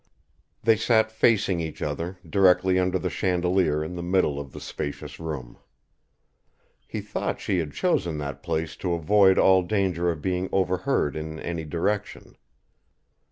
They sat facing each other, directly under the chandelier in the middle of the spacious room. He thought she had chosen that place to avoid all danger of being overheard in any direction.